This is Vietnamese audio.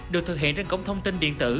được thực hiện trên cổng thông tin điện tử